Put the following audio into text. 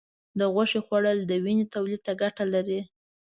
د غوښې خوړل د وینې تولید ته ګټه لري.